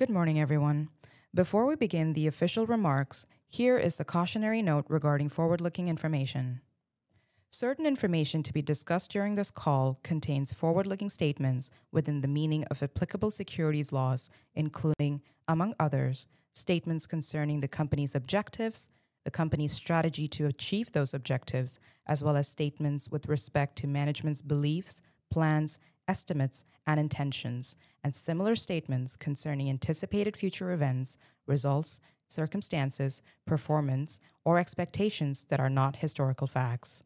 Good morning, everyone. Before we begin the official remarks, here is the cautionary note regarding forward-looking information. Certain information to be discussed during this call contains forward-looking statements within the meaning of applicable securities laws, including, among others, statements concerning the company's objectives, the company's strategy to achieve those objectives, as well as statements with respect to management's beliefs, plans, estimates, and intentions, and similar statements concerning anticipated future events, results, circumstances, performance, or expectations that are not historical facts.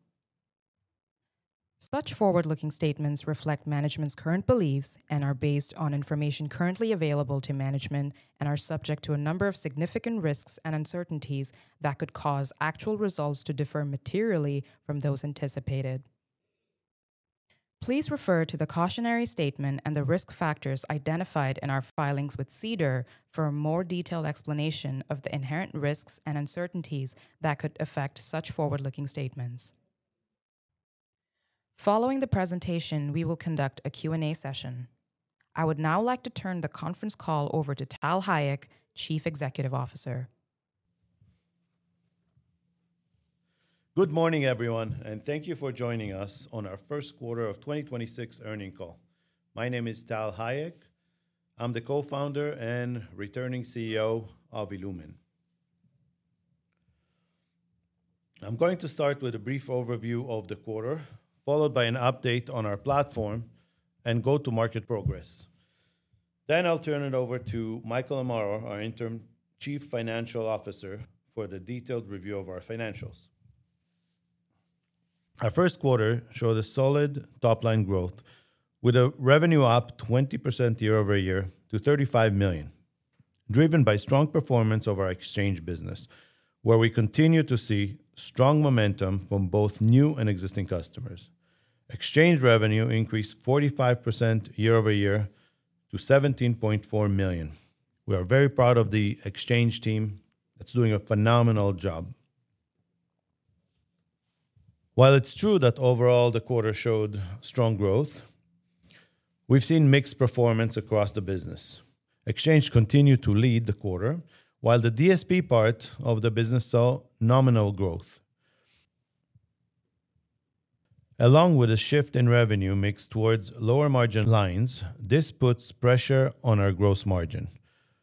Such forward-looking statements reflect management's current beliefs and are based on information currently available to management and are subject to a number of significant risks and uncertainties that could cause actual results to differ materially from those anticipated. Please refer to the cautionary statement and the risk factors identified in our filings with SEDAR for a more detailed explanation of the inherent risks and uncertainties that could affect such forward-looking statements. Following the presentation, we will conduct a Q&A session. I would now like to turn the conference call over to Tal Hayek, Chief Executive Officer. Good morning, everyone, and thank you for joining us on our first quarter of 2026 earning call. My name is Tal Hayek. I'm the co-founder and returning CEO of illumin. I'm going to start with a brief overview of the quarter, followed by an update on our platform and go-to-market progress. I'll turn it over to Michael Amaro, our Interim Chief Financial Officer, for the detailed review of our financials. Our first quarter showed a solid top-line growth, with a revenue up 20% year-over-year to 35 million, driven by strong performance of our Exchange service, where we continue to see strong momentum from both new and existing customers. Exchange revenue increased 45% year-over-year to 17.4 million. We are very proud of the Exchange team. It's doing a phenomenal job. While it's true that overall the quarter showed strong growth, we've seen mixed performance across the business. Exchange continued to lead the quarter, while the DSP part of the business saw nominal growth. Along with a shift in revenue mix towards lower margin lines, this puts pressure on our gross margin,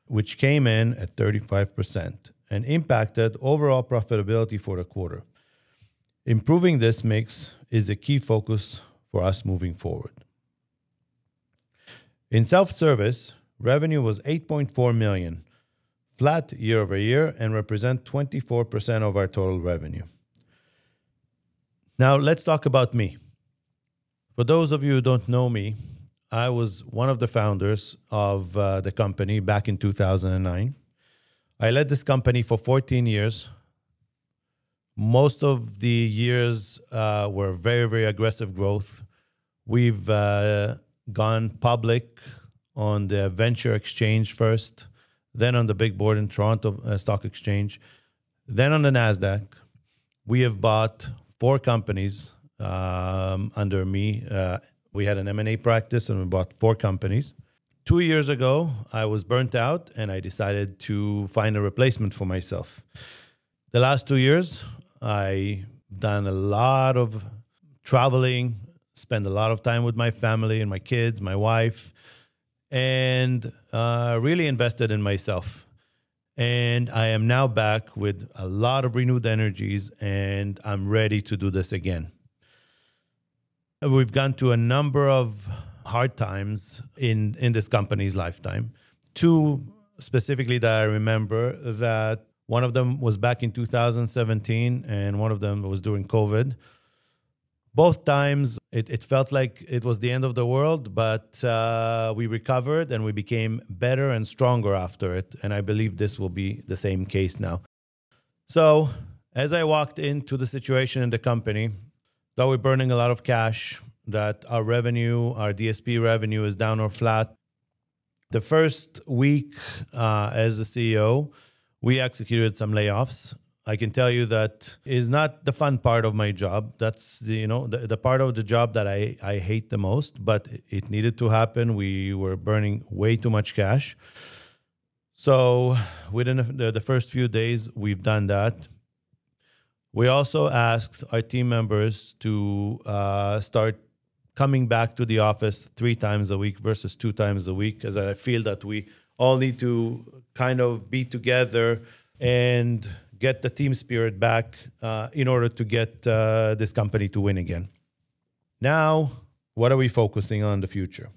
which came in at 35% and impacted overall profitability for the quarter. Improving this mix is a key focus for us moving forward. In Self-service, revenue was 8.4 million, flat year-over-year, and represent 24% of our total revenue. Let's talk about me. For those of you who don't know me, I was one of the founders of the company back in 2009. I led this company for 14 years. Most of the years were very aggressive growth. We've gone public on the Venture Exchange first, then on the big board in Toronto Stock Exchange, then on the Nasdaq. We have bought four companies under me. We had an M&A practice, and we bought four companies. Two years ago, I was burnt out, and I decided to find a replacement for myself. The last two years, I done a lot of traveling, spent a lot of time with my family and my kids, my wife, and really invested in myself. I am now back with a lot of renewed energies, and I'm ready to do this again. We've gone through a number of hard times in this company's lifetime. Two specifically that I remember that one of them was back in 2017, and one of them was during COVID. Both times it felt like it was the end of the world, but we recovered, and we became better and stronger after it, and I believe this will be the same case now. As I walked into the situation in the company, that we're burning a lot of cash, that our revenue, our DSP revenue is down or flat. The first week, as the CEO, we executed some layoffs. I can tell you that is not the fun part of my job. That's, you know, the part of the job that I hate the most, but it needed to happen. We were burning way too much cash. Within the first few days, we've done that. We also asked our team members to start coming back to the office three times a week versus two times a week, as I feel that we all need to kind of be together and get the team spirit back in order to get this company to win again. What are we focusing on in the future?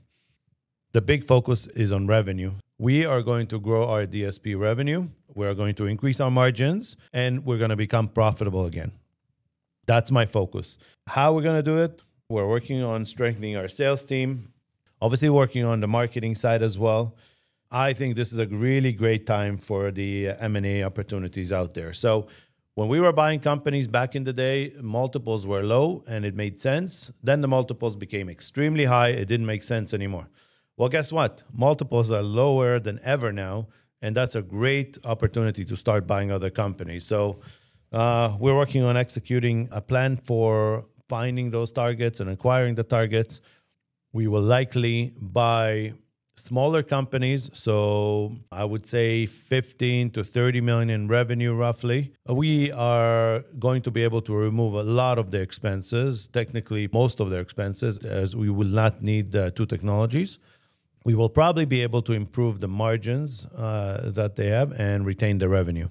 The big focus is on revenue. We are going to grow our DSP revenue. We are going to increase our margins, and we're gonna become profitable again. That's my focus. How are we gonna do it? We're working on strengthening our sales team, obviously working on the marketing side as well. I think this is a really great time for the M&A opportunities out there. When we were buying companies back in the day, multiples were low, and it made sense. The multiples became extremely high. It didn't make sense anymore. Well, guess what? Multiples are lower than ever now, and that's a great opportunity to start buying other companies. We're working on executing a plan for finding those targets and acquiring the targets. We will likely buy smaller companies, so I would say 15 million-30 million in revenue roughly. We are going to be able to remove a lot of the expenses, technically most of their expenses, as we will not need the two technologies. We will probably be able to improve the margins that they have and retain the revenue.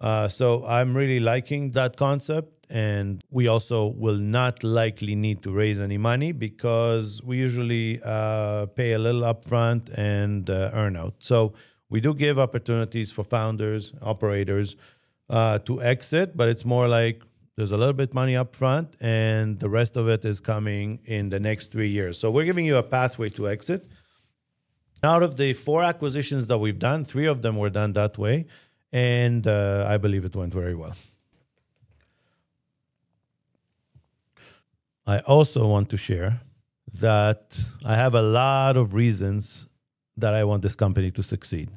I'm really liking that concept, and we also will not likely need to raise any money because we usually pay a little upfront and earn out. We do give opportunities for founders, operators, to exit, but it's more like there's a little bit money upfront and the rest of it is coming in the next three years. We're giving you a pathway to exit. Out of the four acquisitions that we've done, three of them were done that way, and I believe it went very well. I also want to share that I have a lot of reasons that I want this company to succeed.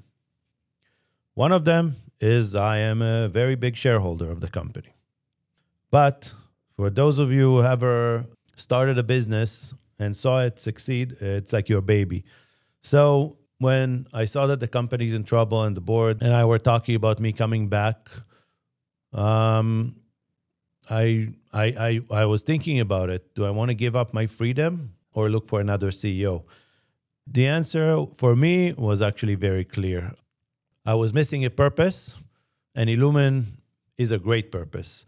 One of them is I am a very big shareholder of the company. For those of you who have started a business and saw it succeed, it's like your baby. When I saw that the company's in trouble and the board and I were talking about me coming back, I was thinking about it. Do I wanna give up my freedom or look for another CEO? The answer for me was actually very clear. I was missing a purpose, and illumin is a great purpose.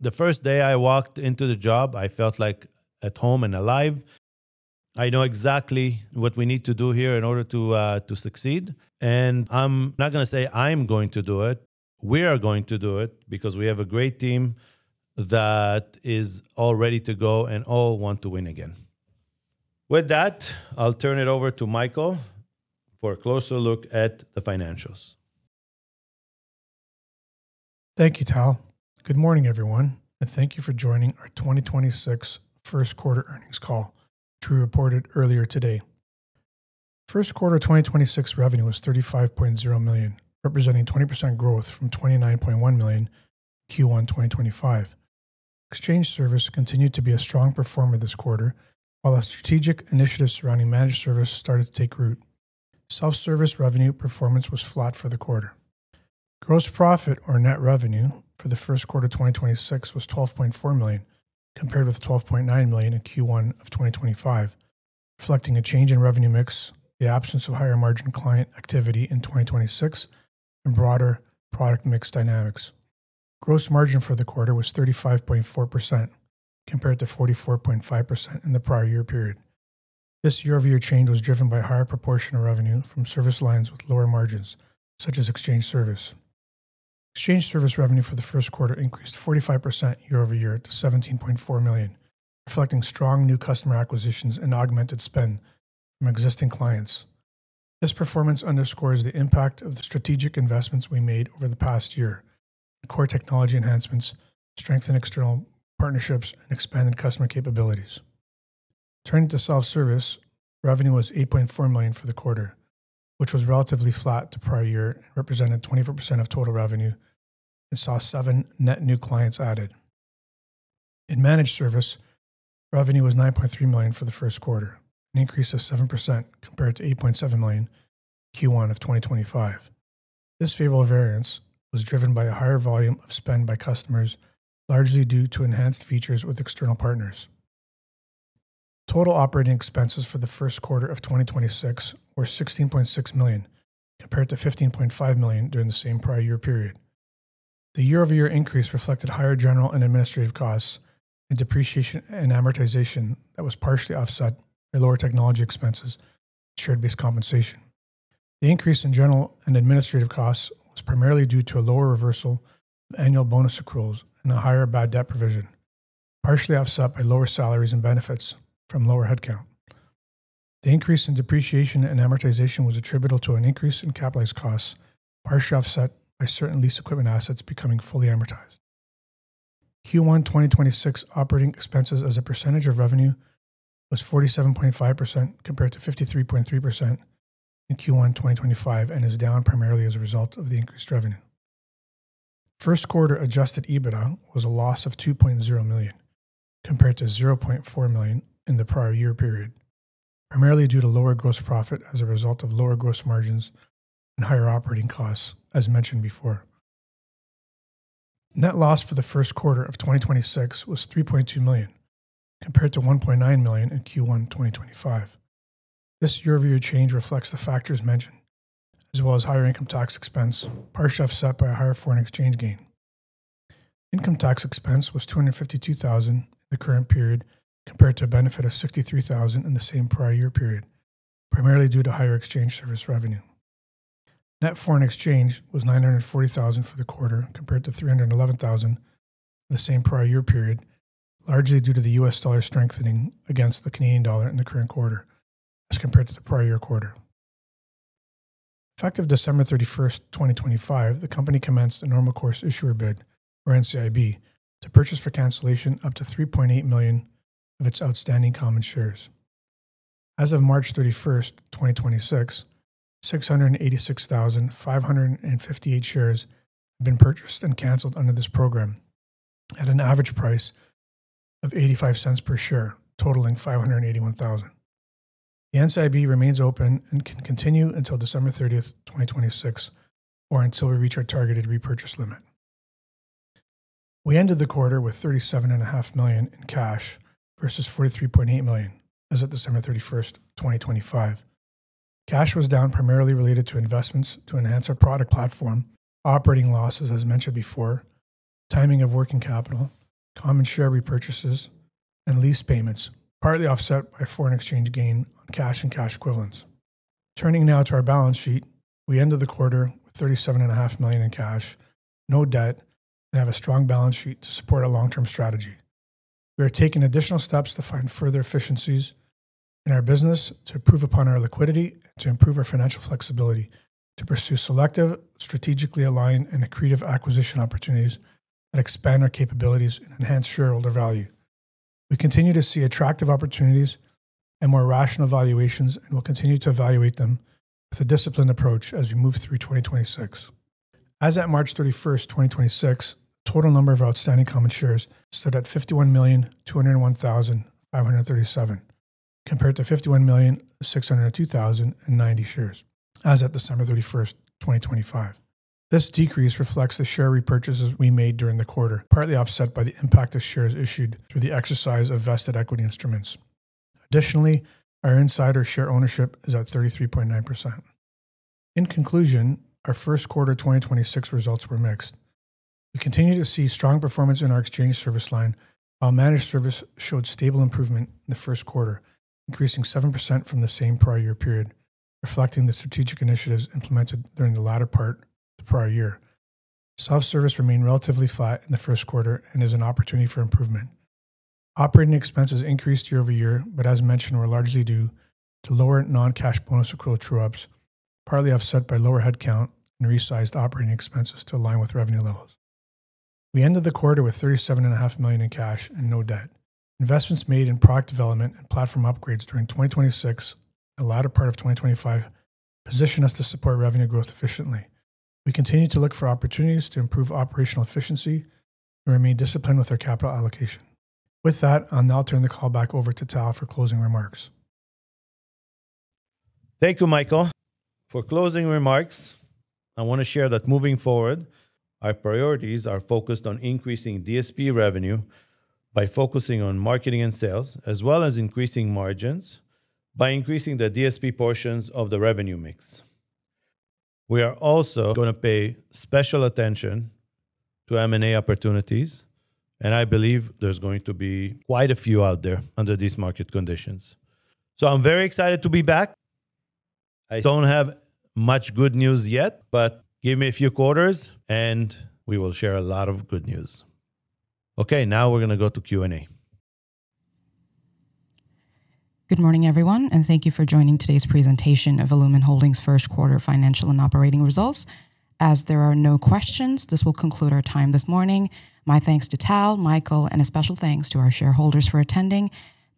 The first day I walked into the job, I felt like at home and alive. I know exactly what we need to do here in order to to succeed, and I'm not gonna say I'm going to do it. We are going to do it because we have a great team that is all ready to go and all want to win again. With that, I'll turn it over to Michael for a closer look at the financials. Thank you, Tal. Good morning, everyone, and thank you for joining our 2026 first quarter earnings call, which we reported earlier today. First quarter 2026 revenue was 35.0 million, representing 20% growth from 29.1 million Q1 2025. Exchange service continued to be a strong performer this quarter, while our strategic initiatives surrounding Managed service started to take root. Self-service revenue performance was flat for the quarter. Gross profit or net revenue for the first quarter 2026 was 12.4 million, compared with 12.9 million in Q1 of 2025, reflecting a change in revenue mix, the absence of higher margin client activity in 2026, and broader product mix dynamics. Gross margin for the quarter was 35.4% compared to 44.5% in the prior year period. This year-over-year change was driven by a higher proportion of revenue from service lines with lower margins, such as Exchange service. Exchange service revenue for the first quarter increased 45% year-over-year to 17.4 million, reflecting strong new customer acquisitions and augmented spend from existing clients. This performance underscores the impact of the strategic investments we made over the past year, core technology enhancements, strengthened external partnerships, and expanded customer capabilities. Turning to Self-service, revenue was 8.4 million for the quarter, which was relatively flat to prior year and represented 24% of total revenue and saw seven net new clients added. In Managed service, revenue was 9.3 million for the first quarter, an increase of 7% compared to 8.7 million Q1 of 2025. This favorable variance was driven by a higher volume of spend by customers, largely due to enhanced features with external partners. Total operating expenses for the first quarter of 2026 were 16.6 million, compared to 15.5 million during the same prior year period. The year-over-year increase reflected higher general and administrative costs and depreciation and amortization that was partially offset by lower technology expenses and share-based compensation. The increase in general and administrative costs was primarily due to a lower reversal of annual bonus accruals and a higher bad debt provision, partially offset by lower salaries and benefits from lower headcount. The increase in depreciation and amortization was attributable to an increase in capitalized costs, partially offset by certain lease equipment assets becoming fully amortized. Q1 2026 operating expenses as a percentage of revenue was 47.5% compared to 53.3% in Q1 2025 and is down primarily as a result of the increased revenue. First quarter adjusted EBITDA was a loss of 2.0 million compared to 0.4 million in the prior year period, primarily due to lower gross profit as a result of lower gross margins and higher operating costs, as mentioned before. Net loss for the first quarter of 2026 was 3.2 million compared to 1.9 million in Q1 2025. This year-over-year change reflects the factors mentioned, as well as higher income tax expense, partially offset by a higher foreign exchange gain. Income tax expense was 252,000 in the current period compared to a benefit of 63,000 in the same prior year period, primarily due to higher Exchange service revenue. Net foreign exchange was 940,000 for the quarter compared to 311,000 in the same prior year period, largely due to the U.S. dollar strengthening against the Canadian dollar in the current quarter as compared to the prior year quarter. Effective December 31, 2025, the company commenced a Normal Course Issuer Bid or NCIB to purchase for cancellation up to 3.8 million of its outstanding common shares. As of March 31st, 2026, 686,558 shares have been purchased and canceled under this program at an average price of 0.85 per share, totaling 581,000. The NCIB remains open and can continue until December 30, 2026, or until we reach our targeted repurchase limit. We ended the quarter with 37.5 million in cash versus 43.8 million as of December 31, 2025. Cash was down primarily related to investments to enhance our product platform, operating losses as mentioned before, timing of working capital, common share repurchases, and lease payments, partly offset by foreign exchange gain on cash and cash equivalents. Turning now to our balance sheet, we ended the quarter with 37.5 million in cash, no debt, and have a strong balance sheet to support our long-term strategy. We are taking additional steps to find further efficiencies in our business to improve upon our liquidity and to improve our financial flexibility to pursue selective, strategically aligned, and accretive acquisition opportunities that expand our capabilities and enhance shareholder value. We continue to see attractive opportunities and more rational valuations, and we'll continue to evaluate them with a disciplined approach as we move through 2026. As at March 31st, 2026, total number of outstanding common shares stood at 51,201,537 compared to 51,602,090 shares as at December 31st, 2025. This decrease reflects the share repurchases we made during the quarter, partly offset by the impact of shares issued through the exercise of vested equity instruments. Additionally, our insider share ownership is at 33.9%. In conclusion, our first quarter 2026 results were mixed. We continue to see strong performance in our Exchange service line, while Managed service showed stable improvement in the first quarter, increasing 7% from the same prior year period, reflecting the strategic initiatives implemented during the latter part of the prior year. Self-service remained relatively flat in the first quarter and is an opportunity for improvement. Operating expenses increased year-over-year, but as mentioned, were largely due to lower non-cash bonus accrual true-ups, partly offset by lower headcount and resized operating expenses to align with revenue levels. We ended the quarter with 37.5 million in cash and no debt. Investments made in product development and platform upgrades during 2026 and the latter part of 2025 position us to support revenue growth efficiently. We continue to look for opportunities to improve operational efficiency and remain disciplined with our capital allocation. With that, I'll now turn the call back over to Tal for closing remarks. Thank you, Michael. For closing remarks, I want to share that moving forward, our priorities are focused on increasing DSP revenue by focusing on marketing and sales, as well as increasing margins by increasing the DSP portions of the revenue mix. We are also going to pay special attention to M&A opportunities, and I believe there's going to be quite a few out there under these market conditions. I'm very excited to be back. I don't have much good news yet, but give me a few quarters and we will share a lot of good news. Okay, now we're going to go to Q&A. Good morning, everyone, and thank you for joining today's presentation of illumin Holdings' first quarter financial and operating results. As there are no questions, this will conclude our time this morning. My thanks to Tal, Michael, and a special thanks to our shareholders for attending.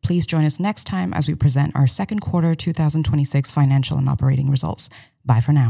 Please join us next time as we present our second quarter 2026 financial and operating results. Bye for now